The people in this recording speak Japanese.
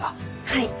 はい。